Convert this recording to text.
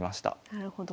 なるほど。